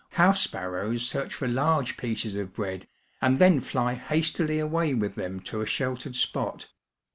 Honfle spanows searoh for large pieces of bread, and then fly hastily away with them to a sheltered spot.